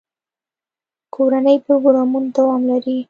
کورني پروګرامونه دوام لري.